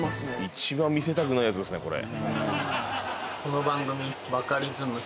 一番見せたくないやつですねこれ。